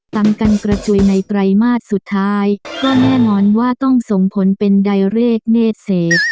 ต่างกันกระจุยในไตรมาสสุดท้ายก็แน่นอนว่าต้องส่งผลเป็นใดเรกเนธเส